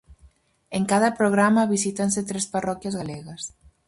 En cada programa visítanse tres parroquias galegas.